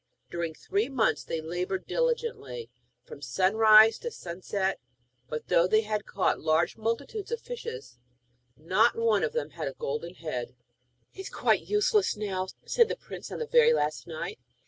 During three months they laboured diligently from sunrise to sunset, but though they caught large multitudes of fishes, not one of them had a golden head. 'It is quite useless now,' said the prince on the very last night.